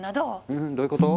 うんどういうこと？